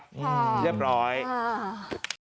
พร้อมพร้อมเรียบร้อยอ่า